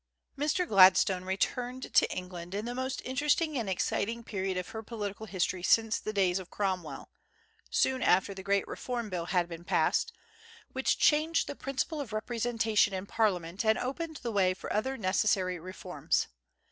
Mr. Gladstone returned to England in the most interesting and exciting period of her political history since the days of Cromwell, soon after the great Reform Bill had been passed, which changed the principle of representation in Parliament, and opened the way for other necessary reforms.